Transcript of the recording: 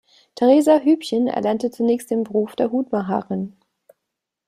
Theresa Hübchen erlernte zunächst den Beruf der Hutmacherin.